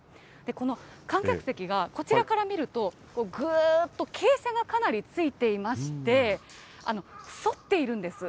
この観客席が、こちらから見ると、ぐーっと傾斜がかなりついていまして、そっているんです。